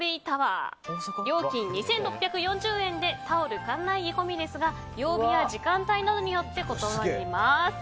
料金２６４０円でタオル、館内着込みですが曜日や時間帯などによって異なります。